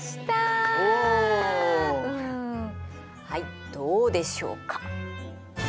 はいどうでしょうか？